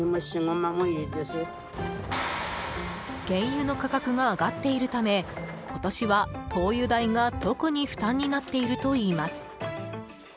原油の価格が上がっているため今年は灯油代が特に負担になっているといいます。